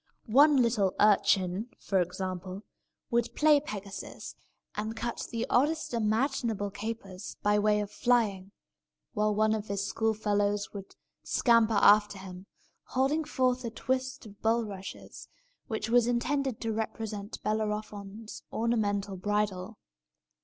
One little urchin, for example, would play Pegasus, and cut the oddest imaginable capers, by way of flying; while one of his schoolfellows would scamper after him, holding forth a twist of bulrushes, which was intended to represent Bellerophon's ornamental bridle.